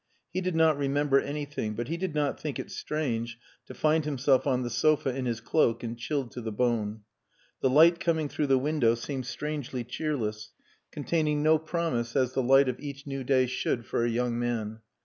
He did not remember anything, but he did not think it strange to find himself on the sofa in his cloak and chilled to the bone. The light coming through the window seemed strangely cheerless, containing no promise as the light of each new day should for a young man.